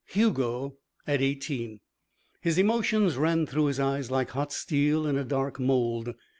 Hugo at eighteen. His emotions ran through his eyes like hot steel in a dark mould.